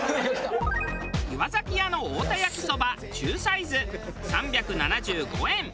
岩崎屋の太田焼きそば中サイズ３７５円。